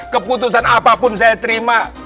keputusan apapun saya terima